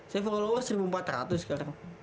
saya follower seribu empat ratus sekarang